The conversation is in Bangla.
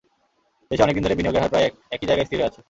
দেশে অনেক দিন ধরেই বিনিয়োগের হার প্রায় একই জায়গায় স্থির হয়ে আছে।